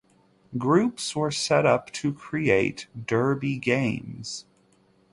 Groups were set up to create 'derby' games.